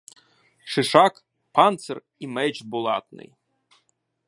Шишак, панцир і меч булатний;